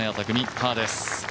パーです。